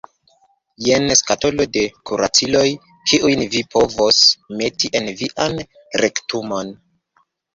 Jen skatolo de kuraciloj kiujn vi povos meti en vian rektumon.